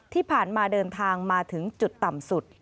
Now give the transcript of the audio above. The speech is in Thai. ที่ผ่านมาเดินทางมาถึงจุดต่ำสุด